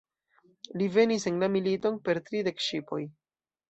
Li venis en la militon per tridek ŝipoj.